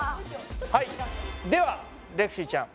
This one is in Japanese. はいではレクシーちゃん。